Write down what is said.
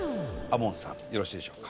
門さんよろしいでしょうか？